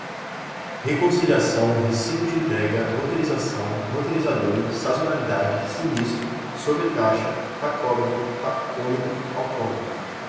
reconciliação recibo de entrega roteirização roteirizador sazonalidade sinistro sobretaxa tacógrafo tacômetro autônomo